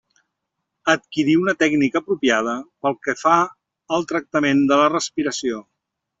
Adquirir una tècnica apropiada pel que fa al tractament de la respiració.